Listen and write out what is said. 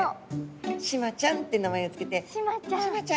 シマちゃんって名前を付けて「シマちゃん」。